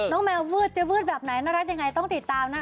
แมวมืดจะวืดแบบไหนน่ารักยังไงต้องติดตามนะ